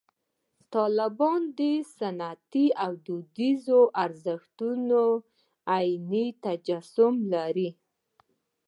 طالبان د سنتي او دودیزو ارزښتونو عیني تجسم لري.